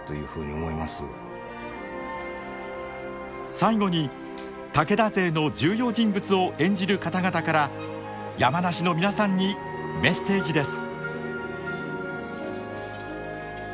最後に武田勢の重要人物を演じる方々から山梨の皆さんにメッセージです。